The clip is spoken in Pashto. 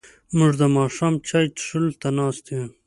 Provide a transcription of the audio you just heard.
موږ د ماښام چای څښلو ته ناست یو.